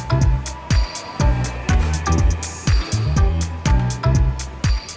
sambal terasi di ulek